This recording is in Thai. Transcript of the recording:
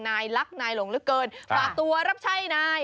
นายรักนายหลงเหลือเกินฝากตัวรับใช่นาย